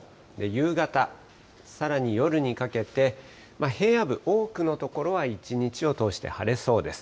夕方、さらに夜にかけて、平野部、多くの所は１日を通して晴れそうです。